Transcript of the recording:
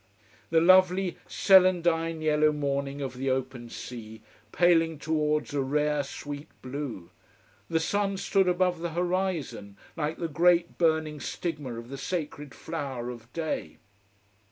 The lovely, celandine yellow morning of the open sea, paling towards a rare, sweet blue! The sun stood above the horizon, like the great burning stigma of the sacred flower of day.